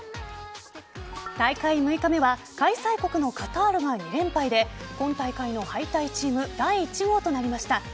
大会６日目は開催国のカタールが２連敗で今大会の敗退チーム第１号となりました。